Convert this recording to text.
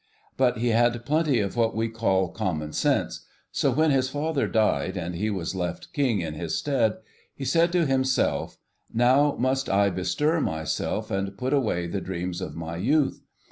But he had plenty of what we call 'common sense,' so when his father died, and he was left King in his stead, he said to himself, 'Now must I bestir myself and put away the dreams of my youth.